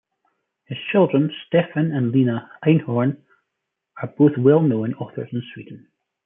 His children, Stefan and Lena Einhorn, are both well-known authors in Sweden.